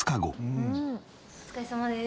お疲れさまです。